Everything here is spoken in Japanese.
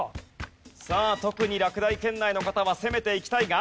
さあ特に落第圏内の方は攻めていきたいが。